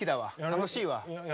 楽しいわ！